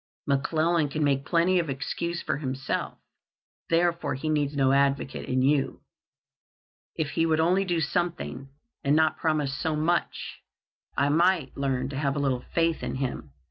"McClellan can make plenty of excuse for himself, therefore he needs no advocate in you. If he would only do something, and not promise so much, I might learn to have a little faith in him.